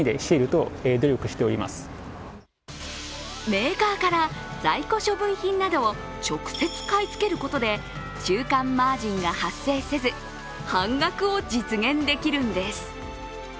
メーカーから在庫処分品などを直接買いつけることで中間マージンが発生せず半額を実現できるんです。